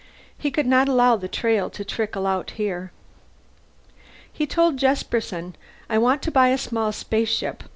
He could not allow the trail to trickle out here. He told Jesperson, "I want to buy a small spaceship.